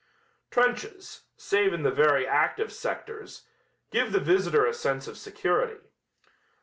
Trenches, save in the very active sectors, give the visitor a sense of security.